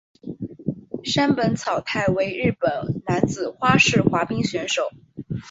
山本草太为日本男子花式滑冰选手。